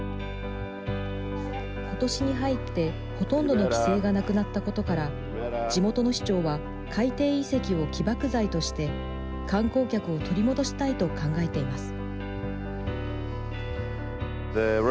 ことしに入って、ほとんどの規制がなくなったことから地元の市長は海底遺跡を起爆剤として観光客を取り戻したいと考えています。